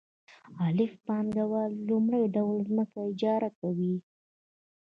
الف پانګوال لومړی ډول ځمکه اجاره کوي